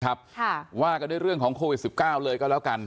ค่ะว่าก็ด้วยเรื่องของโควิดสิบเก้าเลยก็แล้วกัน